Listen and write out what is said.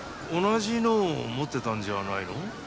同じのを持ってたんじゃないの？